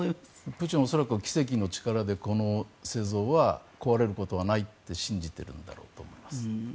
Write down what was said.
プーチンは恐らく奇跡の力でこの聖像は壊れることはないと信じているんだと思います。